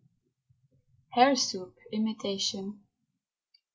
HARE SOUP (IMITATION).